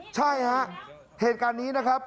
ใช่ฮะเหตุการณ์นี้นะครับ